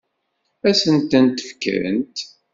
Ad sen-tent-fkent?